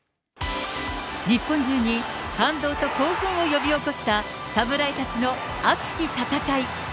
日本中に感動と興奮を呼び起こした侍たちの熱き戦い。